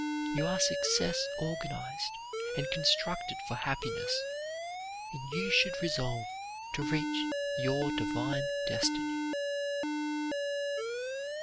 You are success organized, and constructed for happiness, and you should resolve to reach your divine destiny.